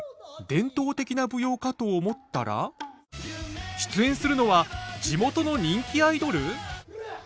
伝統的な舞踊かと思ったら出演するのは地元の人気アイドル！？